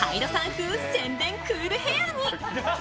風洗練クールヘアに。